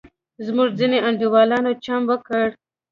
زموږ ځینې انډیوالان چم وکړ.